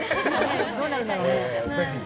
どうなるんだろうね。